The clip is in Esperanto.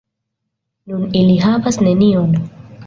Nun ili havas nenion!